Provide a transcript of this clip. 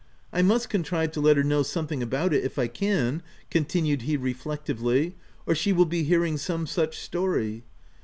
I must contrive to let her know something about it, if I can/' continued he reflectively, u or she will be hear ing some such story.